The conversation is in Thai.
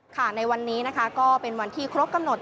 ในวันนี้นะคะก็เป็นวันที่ครบกำหนด